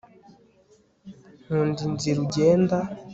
nkunda inzira ugenda